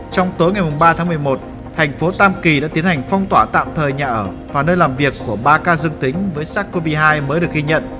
trong tối ngày ba tháng một mươi một tp tam kỳ đã tiến hành phong tỏa tạm thời nhà ở và nơi làm việc của ba ca dương tính với sát covid hai mới được ghi nhận